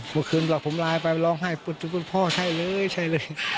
เมื่อคืนหลอกผมลายไปร้องไห้พ่อใช่เลยใช่เลย